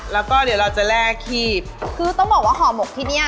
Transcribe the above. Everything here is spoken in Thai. แล้วก็เดี๋ยวเราจะแลกขีบคือต้องบอกว่าห่อหมกที่เนี้ย